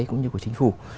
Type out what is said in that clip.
cũng như của chính phủ